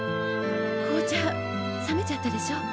紅茶冷めちゃったでしょ。